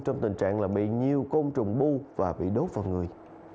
trong tình trạng bị nhiều côn trùng bu và bị đốt vào người